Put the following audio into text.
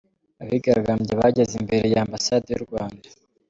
Abigaragambya bageze imbere ya Ambasade y’u Rwanda.